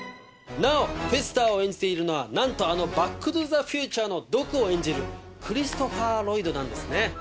なおフェスターを演じているのはなんとあの『バック・トゥ・ザ・フューチャー』のドクを演じるクリストファー・ロイドなんですね。